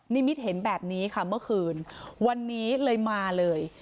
นิมิตเห็นแบบนี้ค่ะเมื่อคืนวันนี้เลยมาเลย